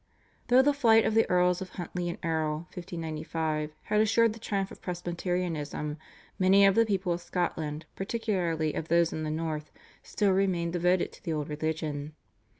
Though the flight of the Earls of Huntly and Erroll (1595) had assured the triumph of Presbyterianism many of the people of Scotland, particularly of those in the north, still remained devoted to the old religion.